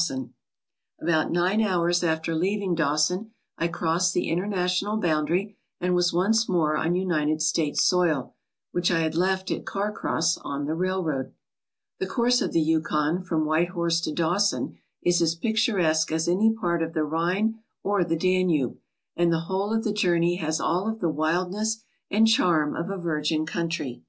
ALASKA OUR NORTHERN WONDERLAND About nine hours after leaving Dawson I crossed the inter national boundary and was once more on United States soil, which I had left at Carcross on the railroad. The course of the Yukon from White Horse to Dawson is as picturesque as any part of the Rhine or the Danube, and the whole of the journey has all of the wildness and charm of a virgin country.